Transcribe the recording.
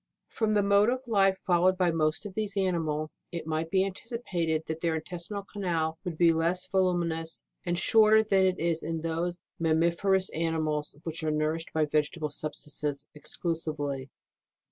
From the mode of life followed by most of these animals, it might be anticipated that their intestinal canal would be less voluminous and shorter than it is in those mammiferous animals which are nourished by vegetable substances exclusively.